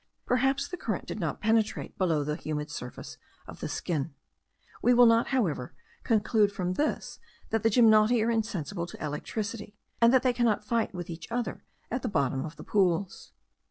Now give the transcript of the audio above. Perhaps the current did not penetrate below the humid surface of the skin. We will not, however, conclude from this, that the gymnoti are insensible to electricity; and that they cannot fight with each other at the bottom of the pools.